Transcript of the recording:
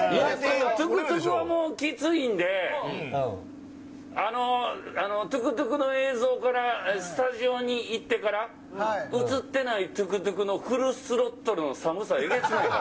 トゥクトゥクはもうきついんで、トゥクトゥクの映像からスタジオにいってから、映ってないトゥクトゥクのフルスロットルの寒さえげつないから。